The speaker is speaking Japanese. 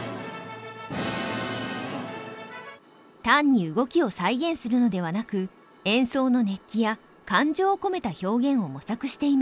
単に動きを再現するのではなく演奏の熱気や感情を込めた表現を模索しています。